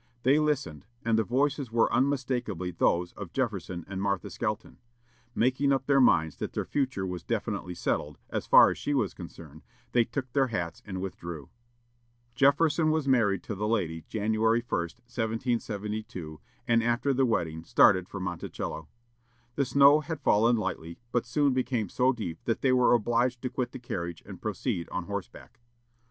They listened, and the voices were unmistakably those of Jefferson and Martha Skelton. Making up their minds that "their future was definitely settled," as far as she was concerned, they took their hats and withdrew. Jefferson was married to the lady January 1, 1772, and after the wedding started for Monticello. The snow had fallen lightly, but soon became so deep that they were obliged to quit the carriage and proceed on horseback.